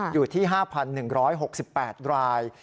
อยู่ที่๕๑๖๘ราย